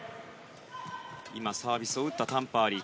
サービスを打ったタン・パーリー。